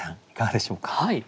いかがでしょうか？